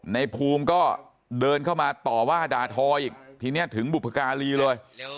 ในภูมิก็เดินเข้ามาต่อว่าด่าทออีกทีนี้ถึงบุพการีเลย